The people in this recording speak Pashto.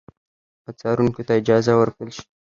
او څارونکو ته اجازه ورکړل شي